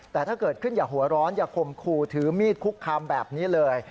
แต่ถ้าเกิดขึ้นอย่าหัวร้อนอย่าข่มขู่ถือมีดคุกคามแบบนี้เลย